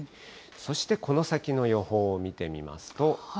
そしてこの先の予報を見てみます